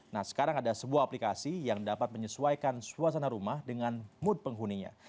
nah sekarang ada sebuah aplikasi yang dapat menyesuaikan suasana rumah dengan mood penghuninya